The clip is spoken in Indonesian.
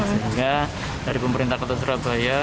sehingga dari pemerintah kota surabaya